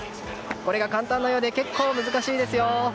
これが簡単なようで結構難しいですよ。